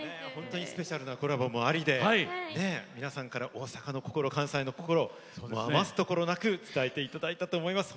スペシャルなコラボもあり皆さんから大阪の心、関西の心余すところなく伝えてもらえたと思います。